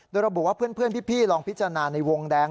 โดยระบุว่าเพื่อนพี่ลองพิจารณาในวงแดง